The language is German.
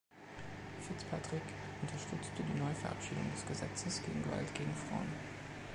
Fitzpatrick unterstützte die Neuverabschiedung des Gesetzes gegen Gewalt gegen Frauen.